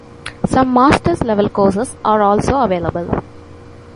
Some Masters Level courses are also available.